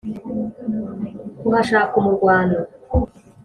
kuhashaka umurwano,